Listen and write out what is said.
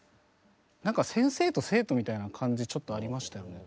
なんか先生と生徒みたいな感じちょっとありましたよね。